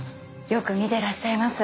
よく見てらっしゃいます。